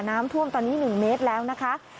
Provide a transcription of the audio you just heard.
น้ำท่วมตอนนี้๑เมตรแล้วนะคะ